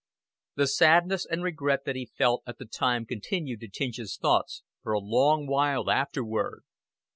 The sadness and regret that he felt at the time continued to tinge his thoughts for a long while afterward.